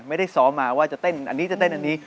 ไม่ได้ซ้อมมาว่าจะเต้นอันนี้จะเต้นอันนี้